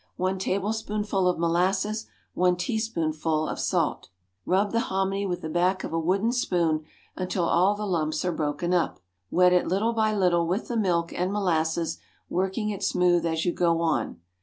One tablespoonful of molasses. One teaspoonful of salt. Rub the hominy with the back of a wooden spoon until all the lumps are broken up. Wet it little by little with the milk and molasses, working it smooth as you go on.